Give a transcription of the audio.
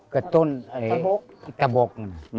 กะต้นตะบก